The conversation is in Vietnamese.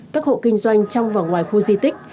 các hộ kinh doanh trong và ngoài khu di tích